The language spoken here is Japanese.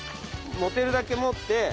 持てるだけ持って。